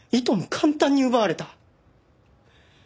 簡単に奪われた。